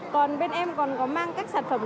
còn bên em còn mang các sản phẩm